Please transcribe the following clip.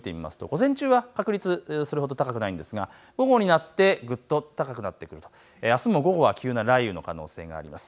午前中、確率はそれほど高くないんですが午後になってぐっと高くなってくると、あすも午後は急な雷雨の可能性あります。